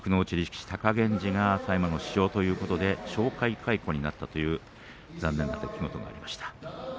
士貴源治が大麻の使用ということで懲戒解雇になったという残念な出来事がありました。